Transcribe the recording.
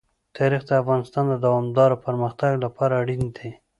تاریخ د افغانستان د دوامداره پرمختګ لپاره اړین دي.